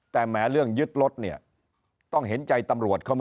แต่แม้เรื่องยึดรถเนี่ยต้องเห็นใจตำรวจเข้ามา